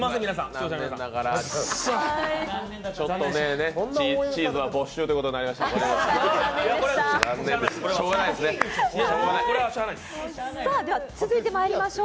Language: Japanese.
残念ながらチーズは没収ということになりました。